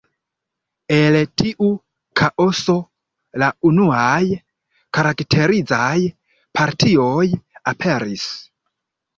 El tiu kaoso, la unuaj karakterizaj partioj aperis.